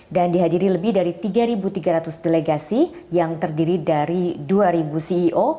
dan dihadiri lebih dari tiga tiga ratus delegasi yang terdiri dari dua ceo